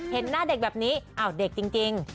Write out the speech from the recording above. เห็นหน้าเด็กแบบนี้อ้าวเด็กจริง